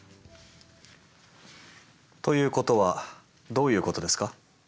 ということはどういうことですか？